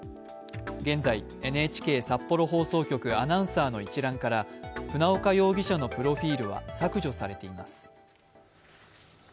現在、ＮＨＫ札幌放送局のアナウンサーの一覧から船岡容疑者のプロフィールは削除されています。